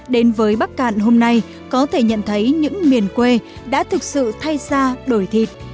đến với bắc cạn hôm nay có thể nhận thấy những miền quê đã thực sự thay ra đổi thịt